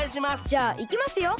じゃあいきますよ？